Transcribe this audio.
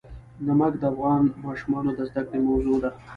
نمک د افغان ماشومانو د زده کړې موضوع ده.